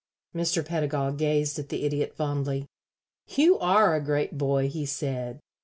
Mr. Pedagog gazed at the Idiot fondly. "You are a great boy," he said.